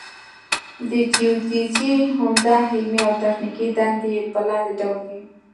د جیودیزي عمده علمي او تخنیکي دندې په لاندې ډول دي